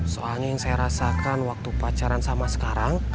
soalnya yang saya rasakan waktu pacaran sama sekarang